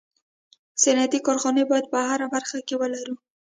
صنعتي کارخوني باید په هره برخه کي ولرو